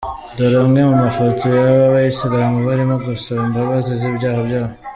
Dore amwe mu mafoto y’aba bayisilamu barimo gusaba imbabazi z’ibyaha byabo.